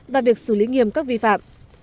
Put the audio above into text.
và việc xử lý nghiêm cấp vi phạm